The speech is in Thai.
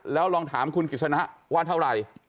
แล้วลองถามคุณกิจสนะว่าเท่าไหร่